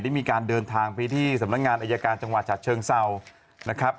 ได้มีการเดินทางไปที่สำนักงานอายการจังหวัดฉะเชิงเศร้านะครับ